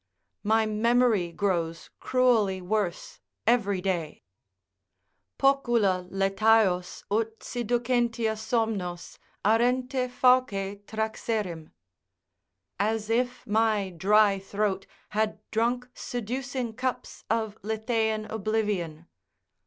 My memory grows cruelly worse every day: "Pocula Lethaeos ut si ducentia somnos, Arente fauce traxerim;" ["As if my dry throat had drunk seducing cups of Lethaean oblivion."